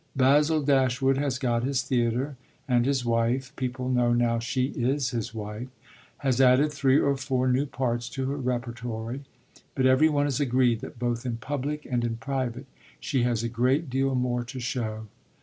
Basil Dashwood has got his theatre, and his wife people know now she is his wife has added three or four new parts to her repertory; but every one is agreed that both in public and in private she has a great deal more to show.